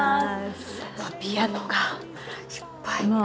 ピアノがいっぱい。